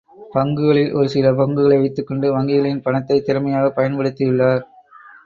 பங்குகளில் ஒரு சில பங்குகளை வைத்துக்கொண்டு வங்கிகளின் பணத்தை திறமையாகப் பயன்படுத்தியுள்ளார்.